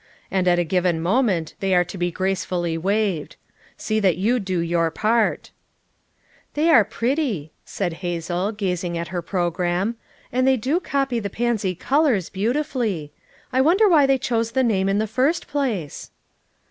— and at a given mo ment they are to be gracefully waved ; see that you do your pari" "They are pretty," said Hazel, gazing at her program, "and they do copy the pansy colors beautifully. I wonder why they chose the name in the first place."